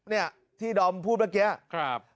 เนี่ยที่ดอมพูดเมื่อกี้ครับ